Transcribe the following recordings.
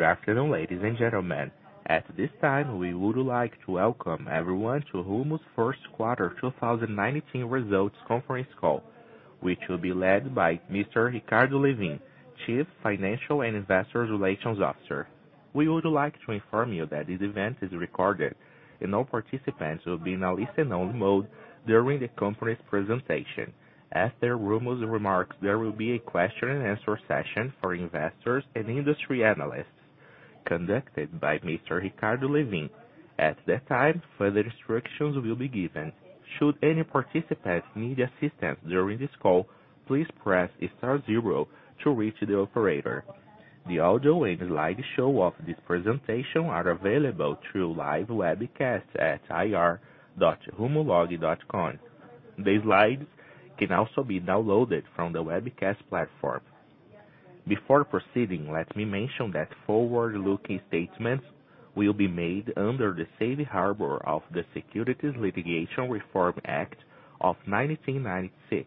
Good afternoon, ladies and gentlemen. At this time, we would like to welcome everyone to Rumo's first quarter 2019 results conference call, which will be led by Mr. Ricardo Lewin, Chief Financial and Investor Relations Officer. We would like to inform you that this event is recorded, and all participants will be in a listen-only mode during the company's presentation. After Rumo's remarks, there will be a question and answer session for investors and industry analysts, conducted by Mr. Ricardo Lewin. At that time, further instructions will be given. Should any participants need assistance during this call, please press star zero to reach the operator. The audio and slideshow of this presentation are available through live webcast at ir.rumolog.com. The slides can also be downloaded from the webcast platform. Before proceeding, let me mention that forward-looking statements will be made under the safe harbor of the Private Securities Litigation Reform Act of 1995.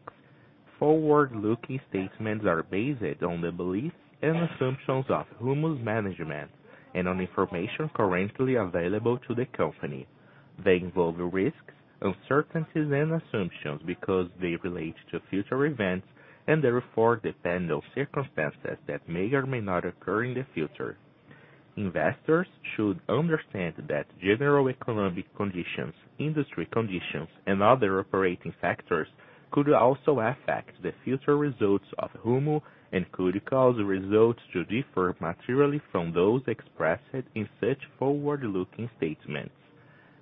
Forward-looking statements are based on the beliefs and assumptions of Rumo's management and on information currently available to the company. They involve risks, uncertainties, and assumptions because they relate to future events and therefore depend on circumstances that may or may not occur in the future. Investors should understand that general economic conditions, industry conditions, and other operating factors could also affect the future results of Rumo and could cause results to differ materially from those expressed in such forward-looking statements.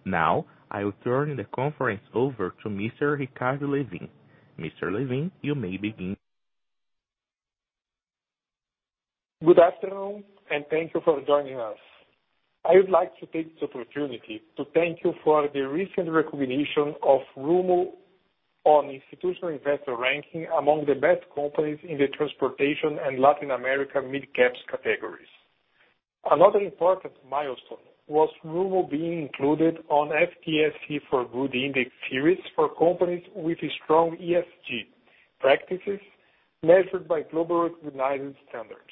Now, I will turn the conference over to Mr. Ricardo Lewin. Mr. Lewin, you may begin. Good afternoon, and thank you for joining us. I would like to take this opportunity to thank you for the recent recognition of Rumo on Institutional Investor ranking among the best companies in the transportation and Latin America midcaps categories. Another important milestone was Rumo being included on FTSE4Good Index Series for companies with strong ESG practices measured by global recognized standards.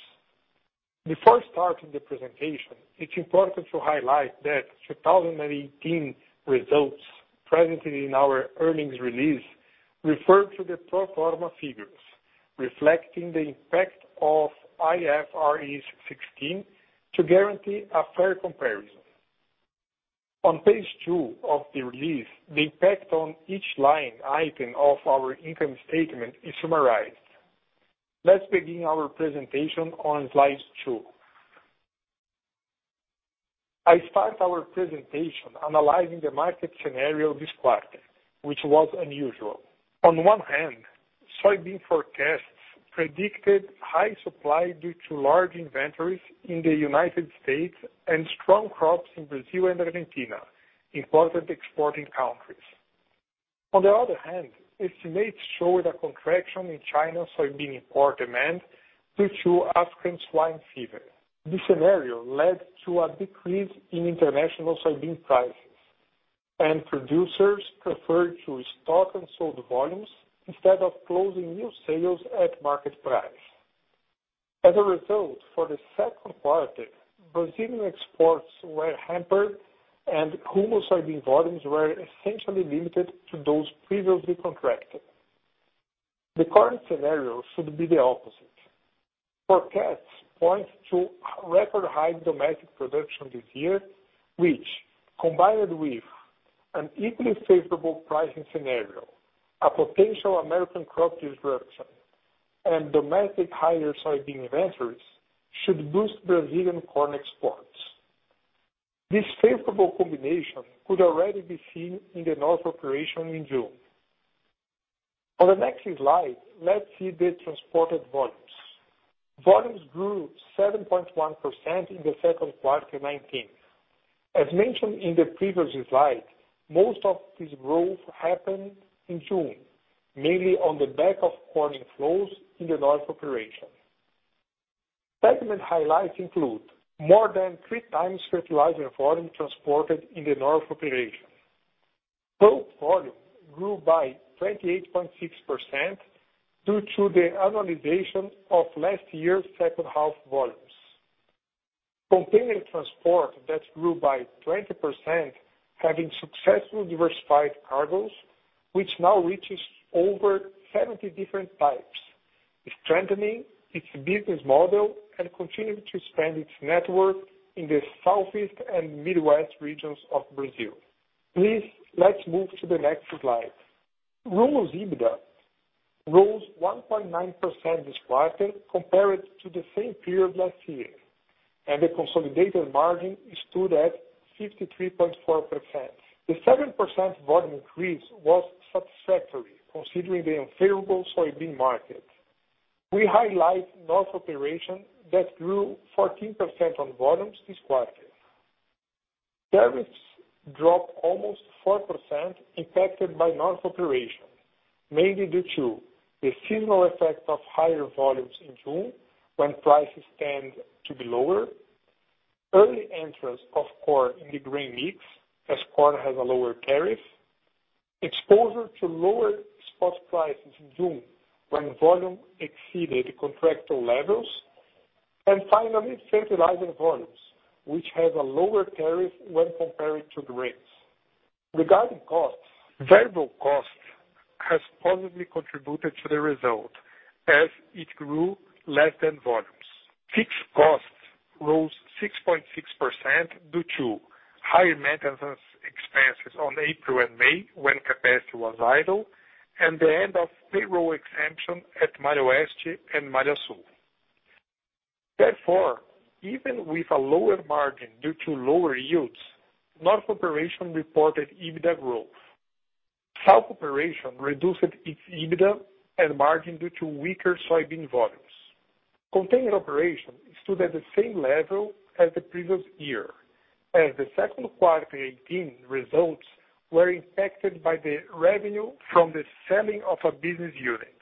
Before starting the presentation, it's important to highlight that 2018 results presented in our earnings release refer to the pro forma figures, reflecting the impact of IFRS 16 to guarantee a fair comparison. On page two of the release, the impact on each line item of our income statement is summarized. Let's begin our presentation on slide two. I start our presentation analyzing the market scenario this quarter, which was unusual. On one hand, soybean forecasts predicted high supply due to large inventories in the United States and strong crops in Brazil and Argentina, important exporting countries. On the other hand, estimates showed a contraction in China's soybean import demand due to African swine fever. This scenario led to a decrease in international soybean prices, and producers preferred to stock unsold volumes instead of closing new sales at market price. As a result, for the second quarter, Brazilian exports were hampered, and Rumo soybean volumes were essentially limited to those previously contracted. The current scenario should be the opposite. Forecasts point to record high domestic production this year, which, combined with an equally favorable pricing scenario, a potential American crop disruption, and domestic higher soybean inventories, should boost Brazilian corn exports. This favorable combination could already be seen in the Northern Operations in June. On the next slide, let's see the transported volumes. Volumes grew 7.1% in the second quarter of 2019. As mentioned in the previous slide, most of this growth happened in June, mainly on the back of corn inflows in the Northern Operations. Segment highlights include more than 3x fertilizer volume transported in the Northern Operations. Coke volume grew by 28.6% due to the annualization of last year's second half volumes. Container transport that grew by 20%, having successfully diversified cargoes, which now reaches over 70 different types, strengthening its business model and continuing to expand its network in the southeast and midwest regions of Brazil. Please, let's move to the next slide. Rumo's EBITDA rose 1.9% this quarter compared to the same period last year, and the consolidated margin stood at 53.4%. The 7% volume increase was satisfactory considering the unfavorable soybean market. We highlight Northern Operations that grew 14% on volumes this quarter. Tariffs dropped almost 4%, impacted by Northern Operations, mainly due to the seasonal effect of higher volumes in June when prices tend to be lower, early entrance of corn in the grain mix, as corn has a lower tariff exposure to lower spot prices in June when volume exceeded contractor levels. Finally, fertilizer volumes, which have a lower tariff when compared to grains. Regarding costs, variable costs have positively contributed to the result as it grew less than volumes. Fixed costs rose 6.6% due to higher maintenance expenses in April and May when capacity was idle, and the end of payroll exemption at Malha Oeste and Malha Sul. Even with a lower margin due to lower yields, Northern Operations reported EBITDA growth. Southern Operations reduced its EBITDA and margin due to weaker soybean volumes. Container operation stood at the same level as the previous year, as the second quarter of 2018 results were impacted by the revenue from the selling of a business unit.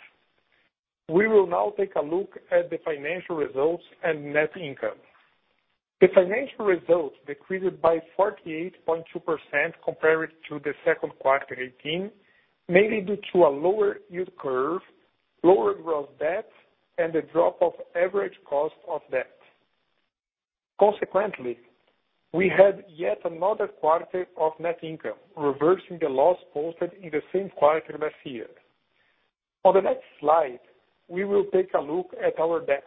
We will now take a look at the financial results and net income. The financial results decreased by 48.2% compared to the second quarter of 2018, mainly due to a lower yield curve, lower gross debt, and the drop of average cost of debt. Consequently, we had yet another quarter of net income, reversing the loss posted in the same quarter last year. On the next slide, we will take a look at our debt.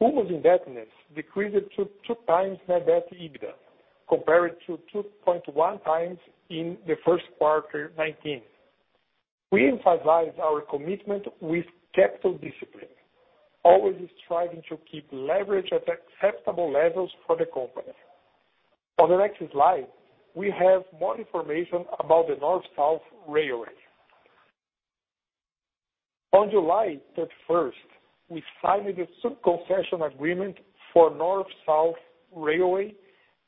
Rumo's indebtedness decreased to 2 times net debt EBITDA compared to 2.1 times in the first quarter of 2019. We emphasize our commitment with capital discipline, always striving to keep leverage at acceptable levels for the company. On the next slide, we have more information about the North-South Railway. On July 31st, we signed the sub-concession agreement for North-South Railway,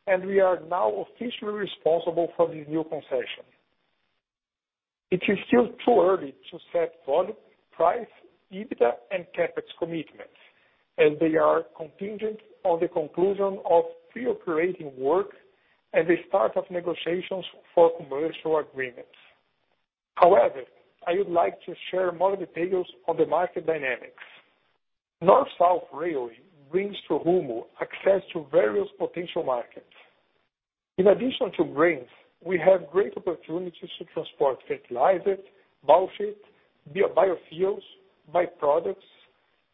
and we are now officially responsible for this new concession. It is still too early to set volume, price, EBITDA, and CapEx commitments as they are contingent on the conclusion of pre-operating work and the start of negotiations for commercial agreements. However, I would like to share more details on the market dynamics. North-South Railway brings to Rumo access to various potential markets. In addition to grains, we have great opportunities to transport fertilizers, pulp, biofuels, by-products,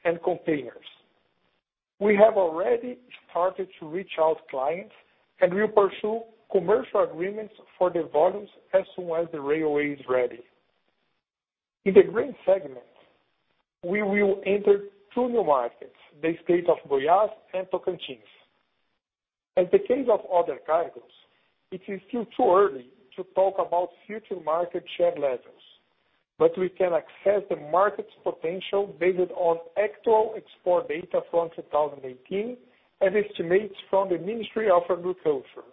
and containers. We have already started to reach out to clients, and we'll pursue commercial agreements for the volumes as soon as the railway is ready. In the grain segment, we will enter two new markets, the state of Goiás and Tocantins. In the case of other cargos, it is still too early to talk about future market share levels, but we can access the market's potential based on actual export data from 2018 and estimates from the Ministry of Agriculture.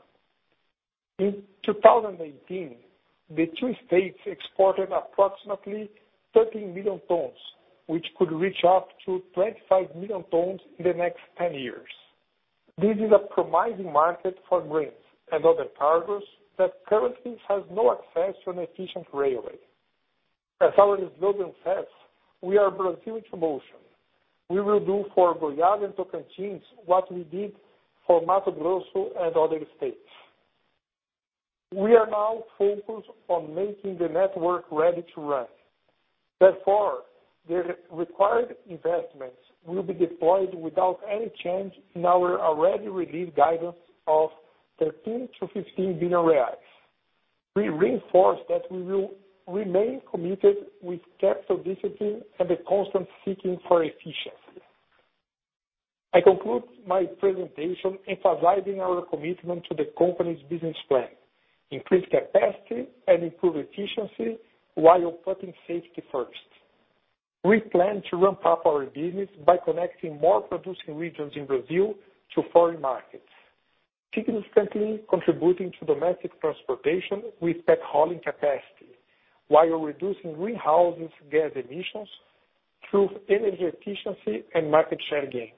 In 2018, the two states exported approximately 13 million tons, which could reach up to 25 million tons in the next 10 years. This is a promising market for grains and other cargos that currently have no access to an efficient railway. As our slogan says, "We are Brazil in motion." We will do for Goiás and Tocantins what we did for Mato Grosso and other states. We are now focused on making the network ready to run. Therefore, the required investments will be deployed without any change in our already released guidance of 13 billion-15 billion reais. We reinforce that we will remain committed with capital discipline and the constant seeking for efficiency. I conclude my presentation emphasizing our commitment to the company's business plan, increase capacity, and improve efficiency while putting safety first. We plan to ramp up our business by connecting more producing regions in Brazil to foreign markets, significantly contributing to domestic transportation with backhauling capacity while reducing greenhouse gas emissions through energy efficiency and market share gains.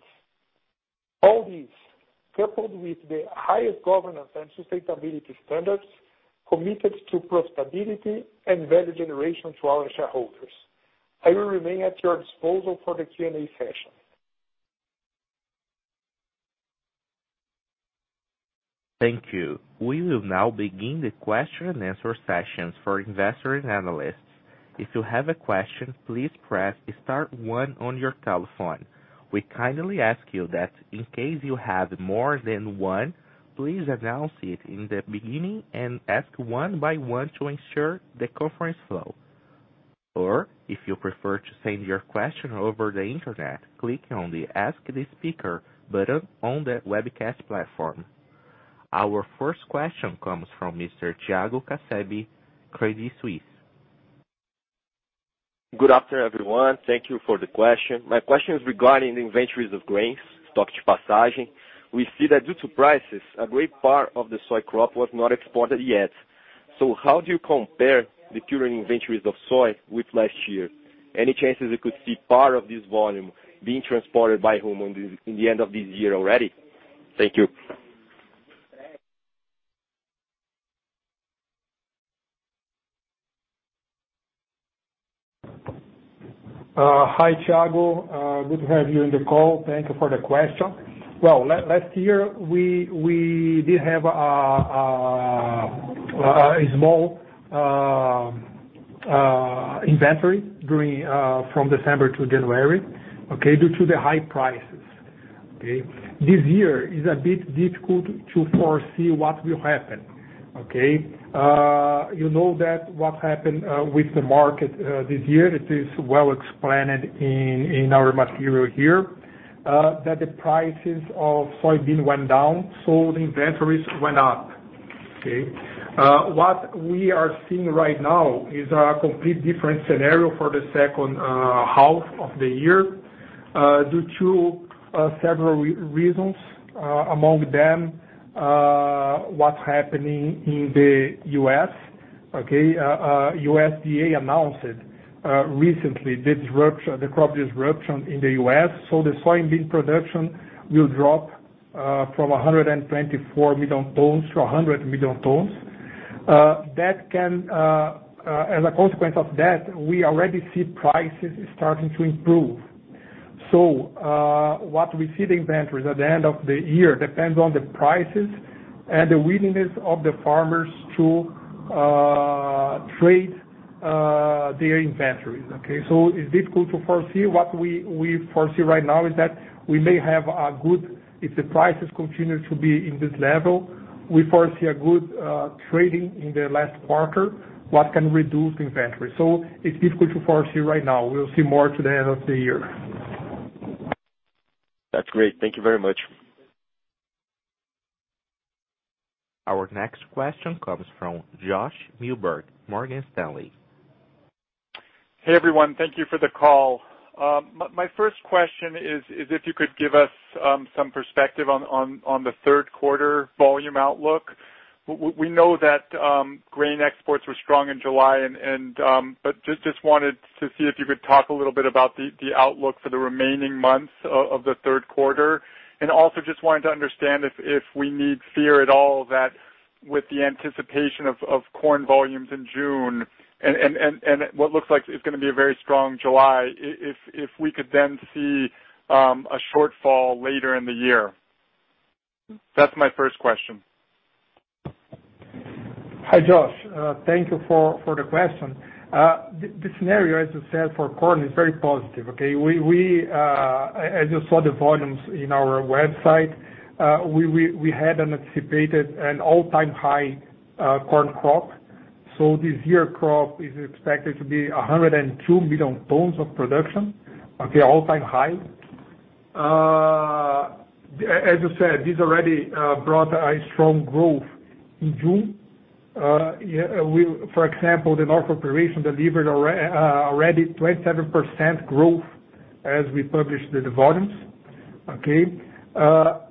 All this coupled with the highest governance and sustainability standards committed to profitability and value generation to our shareholders. I will remain at your disposal for the Q&A session. Thank you. We will now begin the question and answer sessions for investors and analysts. If you have a question, please press star one on your telephone. We kindly ask you that in case you have more than one, please announce it in the beginning and ask one by one to ensure the conference flow. Or if you prefer to send your question over the internet, click on the Ask the Speaker button on the webcast platform. Our first question comes from Mr. Thiago Casemiro, Credit Suisse. Good afternoon, everyone. Thank you for the question. My question is regarding the inventories of grains, stock passaging. We see that due to prices, a great part of the soy crop was not exported yet. How do you compare the current inventories of soy with last year? Any chances we could see part of this volume being transported by Rumo in the end of this year already? Thank you. Hi, Thiago. Good to have you on the call. Thank you for the question. Well, last year, we did have a small inventory from December to January, due to the high prices. This year is a bit difficult to foresee what will happen. You know that what happened with the market this year, it is well explained in our material here, that the prices of soybean went down, so the inventories went up. What we are seeing right now is a complete different scenario for the second half of the year due to several reasons. Among them, what's happening in the U.S. USDA announced recently the crop disruption in the U.S., so the soybean production will drop from 124 million tons to 100 million tons. As a consequence of that, we already see prices starting to improve. What we see the inventories at the end of the year depends on the prices and the willingness of the farmers to trade their inventories, okay? It's difficult to foresee. What we foresee right now is that we may have a good, if the prices continue to be in this level, we foresee a good trading in the last quarter, what can reduce inventory. It's difficult to foresee right now. We'll see more to the end of the year. That's great. Thank you very much. Our next question comes from Josh Milberg, Morgan Stanley. Hey, everyone. Thank you for the call. My first question is if you could give us some perspective on the third quarter volume outlook. We know that grain exports were strong in July, just wanted to see if you could talk a little bit about the outlook for the remaining months of the third quarter. Also just wanted to understand if we need fear at all that with the anticipation of corn volumes in June and what looks like is going to be a very strong July, if we could then see a shortfall later in the year. That's my first question. Hi, Josh. Thank you for the question. The scenario, as you said, for corn is very positive. As you saw the volumes on our website, we had anticipated an all-time high corn crop. This year's crop is expected to be 102 million tons of production. All-time high. As you said, this already brought a strong growth in June. For example, the Northern Operations delivered already 27% growth as we published the volumes.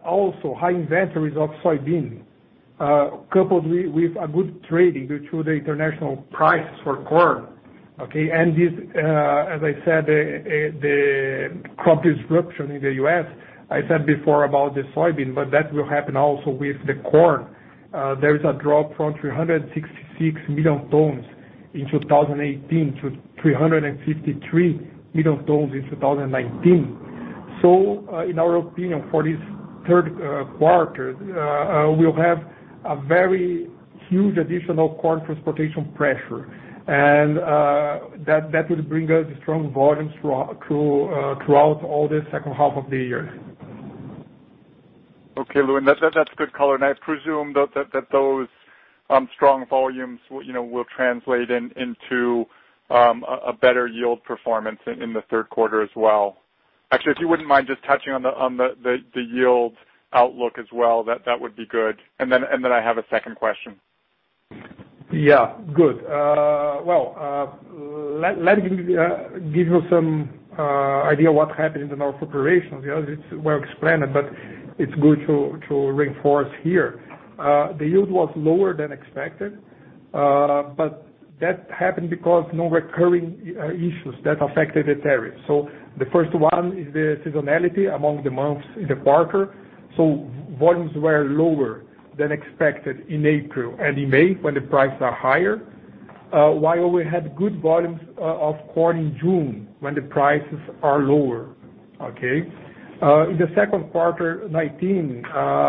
Also, high inventories of soybean, coupled with a good trading due to the international price for corn. This, as I said, the crop disruption in the U.S., I said before about the soybean, that will happen also with the corn. There is a drop from 366 million tons in 2018 to 353 million tons in 2019. In our opinion, for this third quarter, we'll have a very huge additional corn transportation pressure. That will bring us strong volumes throughout all the second half of the year. Okay, Luis, that's good color. I presume that those strong volumes will translate into a better yield performance in the third quarter as well. Actually, if you wouldn't mind just touching on the yield outlook as well, that would be good. I have a second question. Well, let me give you some idea what happened in the Northern Operations. It's well explained. It's good to reinforce here. The yield was lower than expected, that happened because non-recurring issues that affected the tariff. The first one is the seasonality among the months in the quarter, volumes were lower than expected in April and in May when the prices are higher. While we had good volumes of corn in June, when the prices are lower. In the second quarter 2019,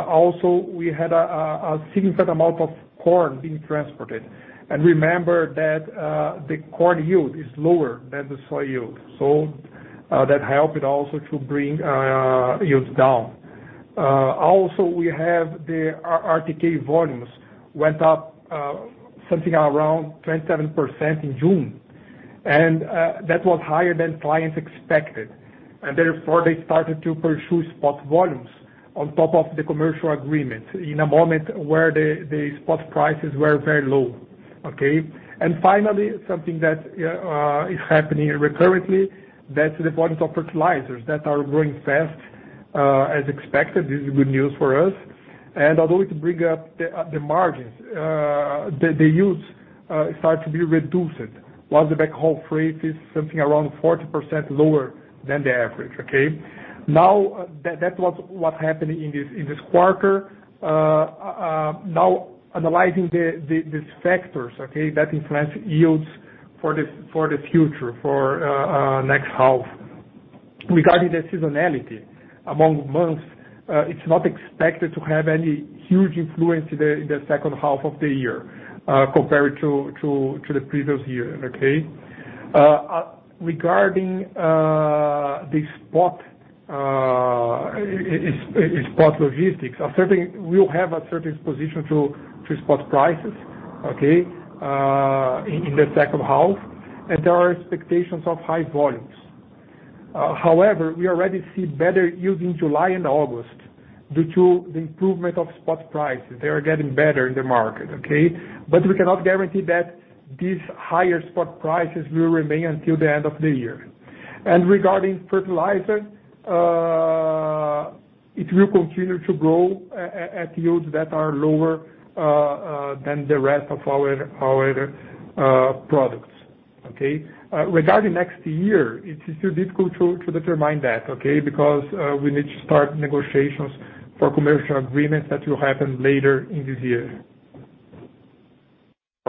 also, we had a significant amount of corn being transported. Remember that the corn yield is lower than the soy yield. That helped also to bring yields down. We have the RTK volumes went up something around 27% in June, that was higher than clients expected, therefore they started to pursue spot volumes on top of the commercial agreement in a moment where the spot prices were very low. Okay. Finally, something that is happening recurrently, that's the volumes of fertilizers that are growing fast as expected. This is good news for us. Although it bring up the margins, the use start to be reduced. While the backhaul freight is something around 40% lower than the average. That was what happened in this quarter. Analyzing these factors, okay, that influence yields for the future, for next half, regarding the seasonality among months, it's not expected to have any huge influence in the second half of the year compared to the previous year. Regarding the spot logistics, we'll have a certain position to spot prices in the second half, and there are expectations of high volumes. However, we already see better yield in July and August due to the improvement of spot prices. They are getting better in the market. We cannot guarantee that these higher spot prices will remain until the end of the year. Regarding fertilizer, it will continue to grow at yields that are lower than the rest of our products. Regarding next year, it's still difficult to determine that, because we need to start negotiations for commercial agreements that will happen later in this year.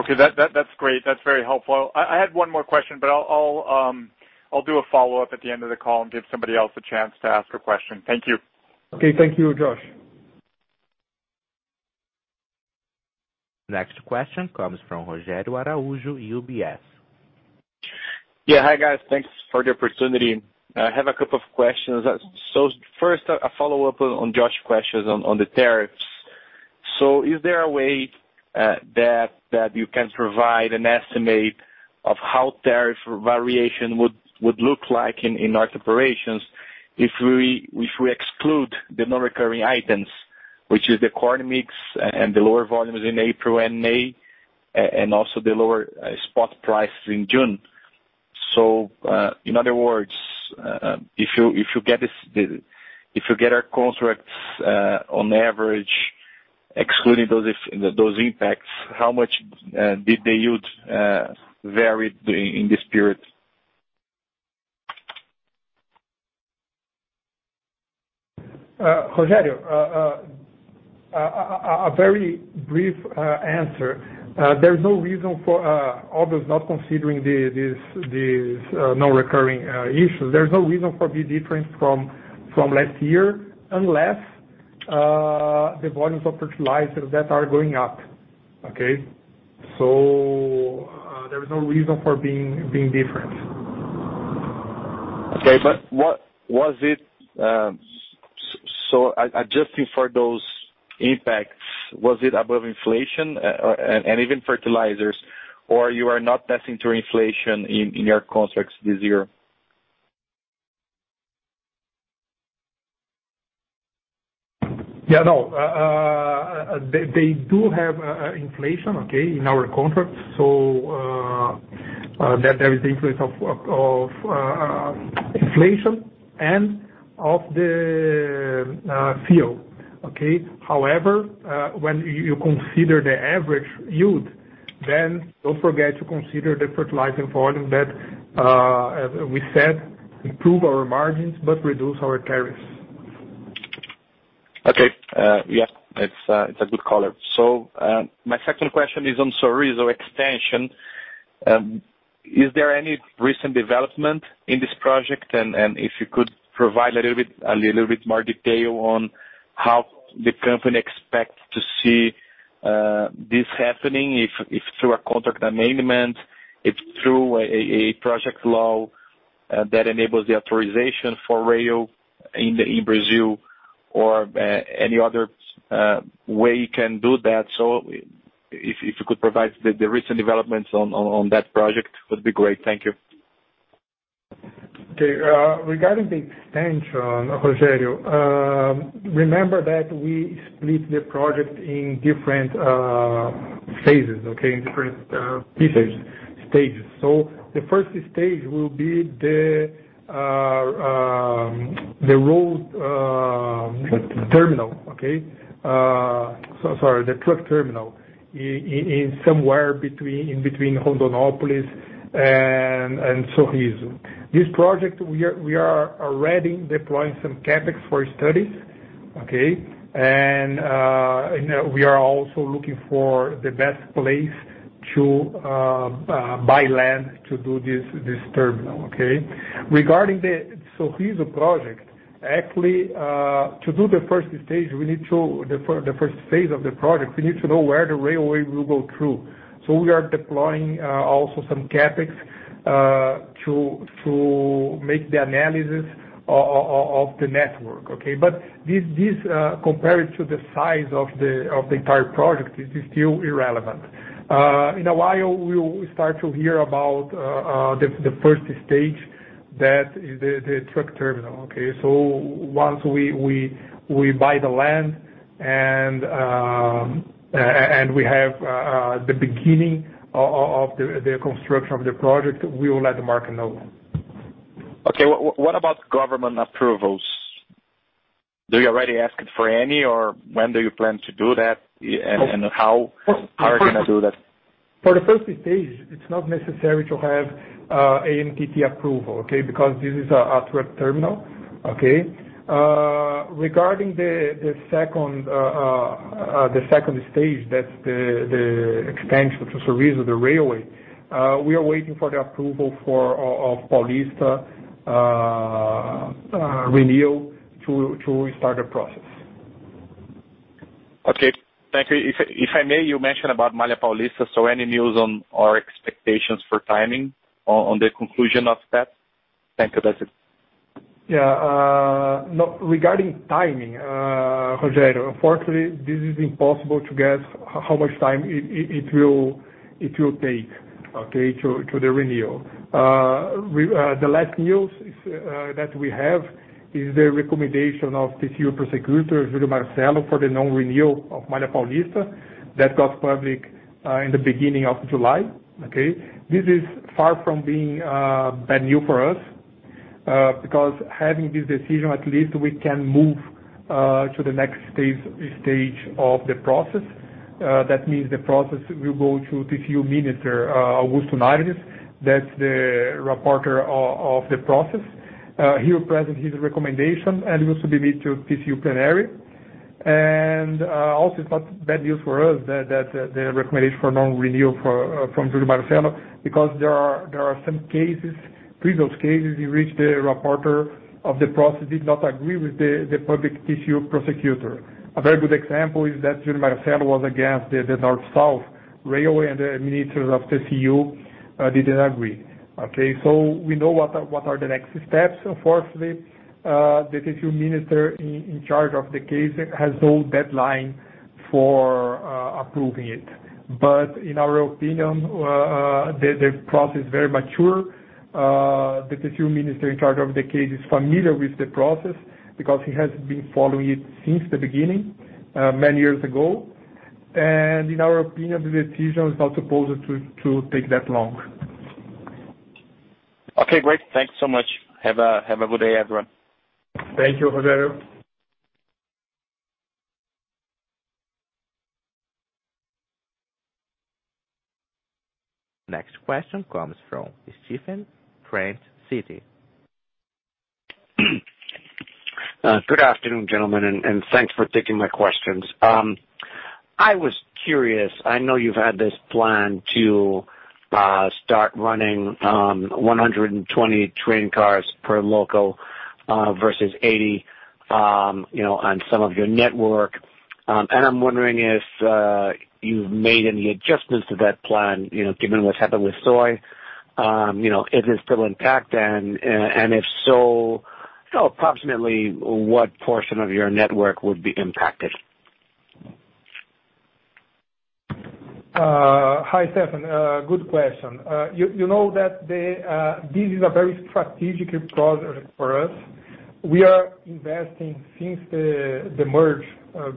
Okay. That's great. That's very helpful. I had one more question, but I'll do a follow-up at the end of the call and give somebody else a chance to ask a question. Thank you. Okay, thank you, Josh. Next question comes from Rogério Araujo, UBS. Hi, guys. Thanks for the opportunity. I have a couple of questions. First, a follow-up on Josh questions on the tariffs. Is there a way that you can provide an estimate of how tariff variation would look like in our operations if we exclude the non-recurring items, which is the corn mix and the lower volumes in April and May, and also the lower spot prices in June? In other words, if you get our contracts on average, excluding those impacts, how much did the yields vary in this period? Rogério, a very brief answer. Although not considering these non-recurring issues, there's no reason for it to be different from last year, unless the volumes of fertilizers that are going up. There is no reason for being different. Okay. Adjusting for those impacts, was it above inflation, and even fertilizers, or you are not passing through inflation in your contracts this year? Yeah, no. They do have inflation in our contracts, so that there is the influence of inflation and of the yield. However, when you consider the average yield, then don't forget to consider the fertilizer volume that, as we said, improve our margins but reduce our tariffs. Okay. Yeah, it's a good call-out. My second question is on Sorriso extension. Is there any recent development in this project? If you could provide a little bit more detail on how the company expects to see this happening, if through a contract amendment, if through a project law that enables the authorization for rail in Brazil or any other way you can do that. If you could provide the recent developments on that project, would be great. Thank you. Okay. Regarding the extension, Rogerio, remember that we split the project in different phases, in different stages. The first stage will be the road terminal. Sorry, the truck terminal in somewhere in between Rondonópolis and Sorriso. This project, we are already deploying some CapEx for studies. We are also looking for the best place to buy land to do this terminal. Regarding the Sorriso project, actually, to do the first phase of the project, we need to know where the railway will go through. We are deploying also some CapEx to make the analysis of the network. This compared to the size of the entire project, it is still irrelevant. In a while, we will start to hear about the first stage, the truck terminal. Once we buy the land and we have the beginning of the construction of the project, we will let the market know. Okay. What about government approvals? Do you already ask for any, or when do you plan to do that, and how are you going to do that? For the stage 1, it's not necessary to have ANTT approval, okay? Because this is a port terminal. Regarding the stage 2, that's the expansion to service the railway. We are waiting for the approval of Paulista renewal to restart the process. Okay, thank you. If I may, you mentioned about Malha Paulista. Any news on, or expectations for timing on the conclusion of that? Thank you, that's it. Yeah. Regarding timing, Rogerio, unfortunately, this is impossible to guess how much time it will take to the renewal. The last news that we have is the recommendation of TCU Prosecutor Júlio Marcelo for the non-renewal of Malha Paulista that got public in the beginning of July. This is far from being bad news for us, because having this decision, at least we can move to the next stage of the process. That means the process will go to TCU Minister Augusto Nardes. That's the reporter of the process. He will present his recommendation and will submit to TCU Plenary. Also it's not bad news for us that the recommendation for non-renewal from Júlio Marcelo, because there are some previous cases in which the reporter of the process did not agree with the public TCU Prosecutor. A very good example is that Júlio Marcelo was against the North-South Railway, and the Minister of TCU didn't agree. We know what are the next steps. Unfortunately, the TCU Minister in charge of the case has no deadline for approving it. In our opinion, the process is very mature. The TCU Minister in charge of the case is familiar with the process because he has been following it since the beginning, many years ago. In our opinion, the decision is not supposed to take that long. Okay, great. Thanks so much. Have a good day, everyone. Thank you, Rogério. Next question comes from Stephen, Trent City. Good afternoon, gentlemen, and thanks for taking my questions. I was curious. I know you've had this plan to start running 120 train cars per loco, versus 80 on some of your network. I'm wondering if you've made any adjustments to that plan, given what's happened with soy. Is it still intact, and if so, approximately what portion of your network would be impacted? Hi, Stephen. Good question. You know that this is a very strategic project for us. We are investing since the merge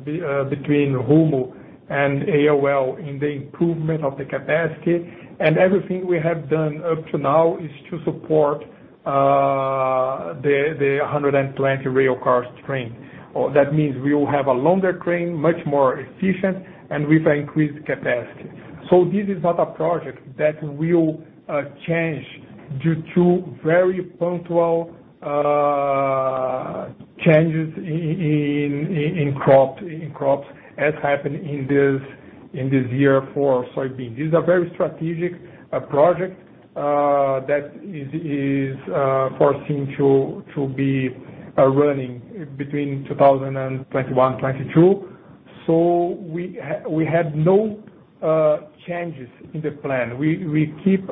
between Rumo and ALL in the improvement of the capacity. Everything we have done up to now is to support the 120 rail cars train. That means we will have a longer train, much more efficient, and with increased capacity. This is not a project that will change due to very punctual changes in crops, as happened in this year for soybeans. This is a very strategic project that is foreseen to be running between 2021, 2022. We had no changes in the plan. We keep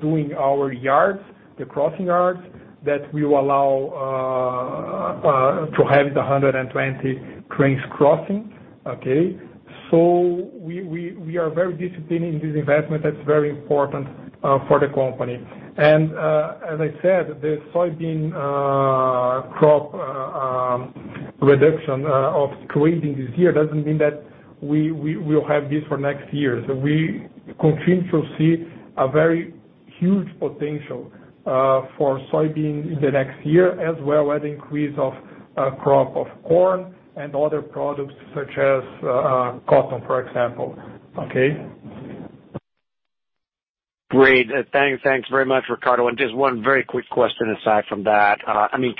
doing our yards, the crossing yards that will allow to have the 120 trains crossing. We are very disciplined in this investment that's very important for the company. As I said, the soybean crop reduction of creating this year doesn't mean that we will have this for next year. We continue to see a very huge potential for soybeans in the next year, as well as increase of crop of corn and other products such as cotton, for example. Okay. Great. Thanks very much, Ricardo. Just one very quick question aside from that.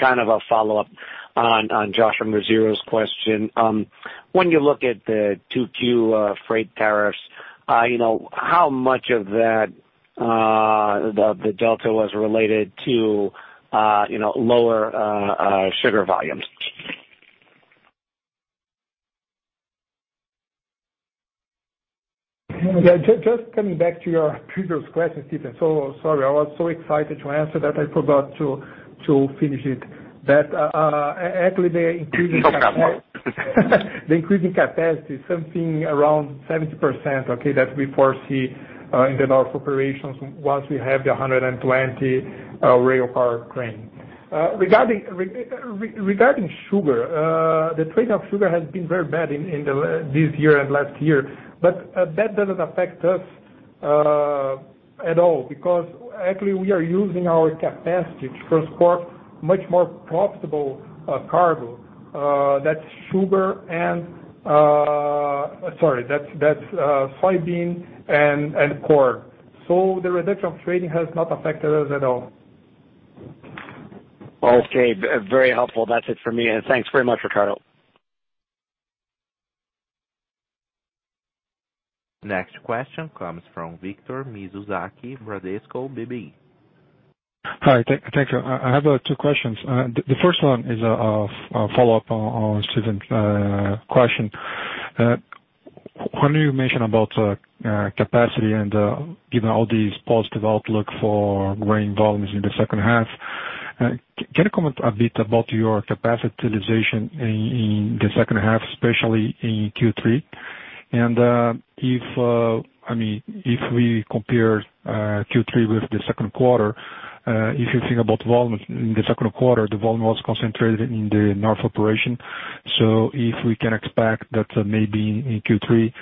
Kind of a follow-up on Josh Milberg's question. When you look at the 2Q freight tariffs, how much of that, the delta, was related to lower sugar volumes? Yeah. Just coming back to your previous question, Stephen. Sorry. I was so excited to answer that I forgot to finish it. No problem. The increasing capacity is something around 70% that we foresee in the Northern Operations once we have the 120-car train. Regarding sugar, the trade of sugar has been very bad this year and last year, but that doesn't affect us at all because actually we are using our capacity to transport much more profitable cargo. That's soybean and corn. The reduction of trading has not affected us at all. Okay. Very helpful. That's it for me, and thanks very much, Ricardo. Next question comes from Victor Mizusaki, Bradesco BBI. Hi. Thank you. I have two questions. The first one is a follow-up on Stephen's question. When you mention about capacity and given all these positive outlook for grain volumes in the second half, can you comment a bit about your capitalization in the second half, especially in Q3? If we compare Q3 with the second quarter, if you think about volume in the second quarter, the volume was concentrated in the Northern Operations. If we can expect that maybe in Q3,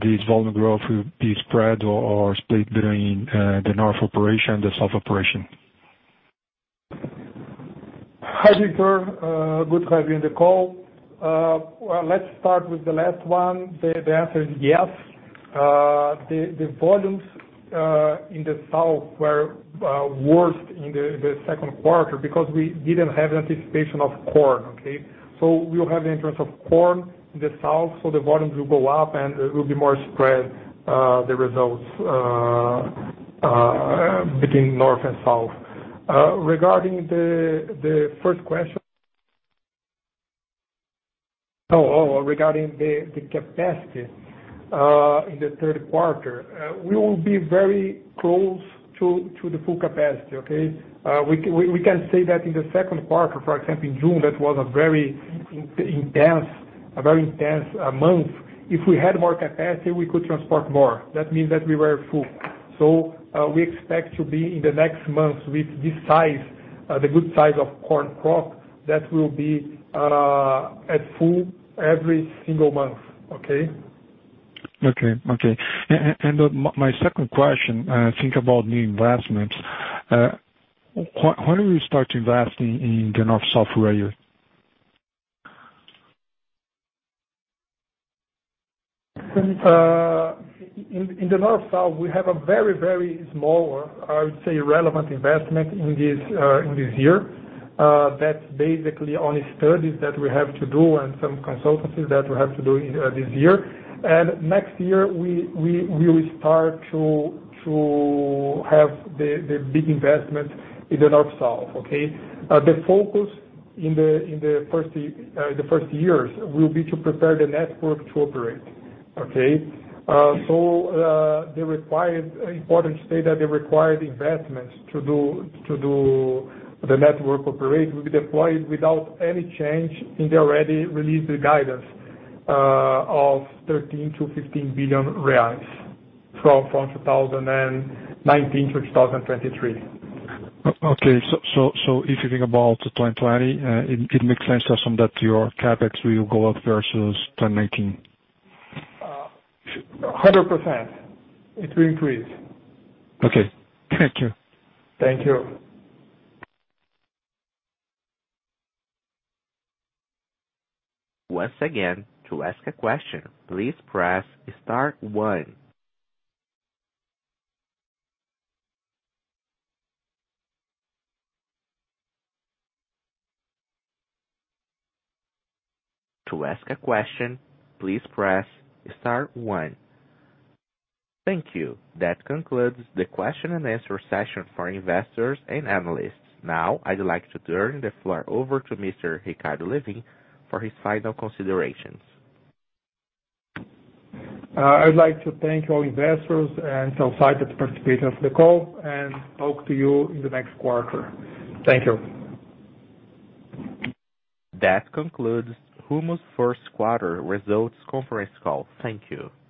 this volume growth will be spread or split between the Northern Operations and the Southern Operations. Hi, Victor. Good to have you in the call. Let's start with the last one. The answer is yes. The volumes in the south were worse in the second quarter because we didn't have anticipation of corn. Okay. We will have the entrance of corn in the south, so the volumes will go up, and it will be more spread, the results between north and south. Regarding the first question. Regarding the capacity in the third quarter. We will be very close to the full capacity. Okay. We can say that in the second quarter, for example, in June, that was a very intense month. If we had more capacity, we could transport more. That means that we were full. We expect to be in the next months with this size, the good size of corn crop, that will be at full every single month. Okay. Okay. My second question, think about new investments. When do we start to invest in the North-South Railway? In the North-South, we have a very small, I would say relevant investment in this year. That's basically only studies that we have to do and some consultancies that we have to do this year. Next year, we will start to have the big investment in the North-South. Okay? The focus in the first years will be to prepare the network to operate. Okay? The required important data, the required investments to do the network operate, will be deployed without any change in the already released guidance of 13 billion-15 billion reais from 2019 to 2023. Okay. If you think about 2020, it makes sense to assume that your CapEx will go up versus 2019. 100% it will increase. Okay. Thank you. Thank you. Once again, to ask a question, please press star one. To ask a question, please press star one. Thank you. That concludes the question and answer session for investors and analysts. Now I'd like to turn the floor over to Mr. Ricardo Lewin for his final considerations. I'd like to thank all investors and so excited to participate in the call, and talk to you in the next quarter. Thank you. That concludes Rumo's first quarter results conference call. Thank you.